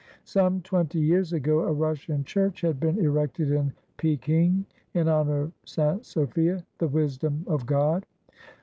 Some twenty years ago, a Russian church had been erected in Pekin, in honor of St. Sophia, — the wisdom of God.